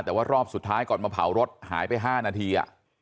แต่ว่ารอบสุดท้ายก่อนมาเผารถหายไป๕นาที